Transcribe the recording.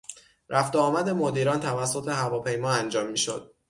رفت و آمد مدیران توسط هواپیما انجام میشد.